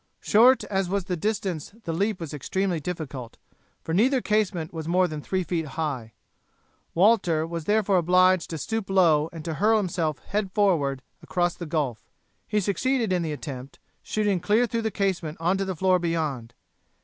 Short as was the distance the leap was extremely difficult, for neither casement was more than three feet high. Walter was therefore obliged to stoop low and to hurl himself head forwards across the gulf. He succeeded in the attempt, shooting clear through the casement on to the floor beyond.